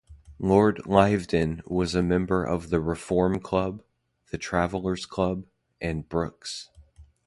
Lord Lyveden was a member of the Reform Club, the Travellers Club, and Brooks's.